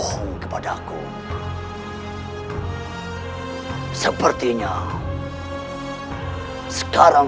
pertama yang siap biro